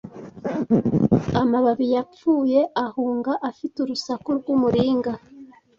amababi yapfuye ahunga afite urusaku rw'umuringa